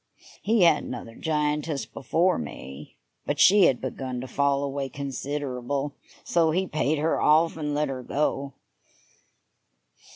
He had another giantess before me, but she had begun to fall away considerable, so he paid her off and let her go.